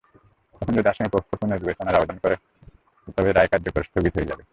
তখন যদি আসামিপক্ষ পুনর্বিবেচনার আবেদন করে, তবে রায় কার্যকর স্থগিত হয়ে যাবে।